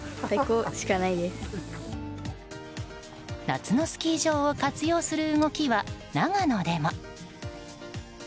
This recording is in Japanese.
夏のスキー場を活用する動きは長野でも。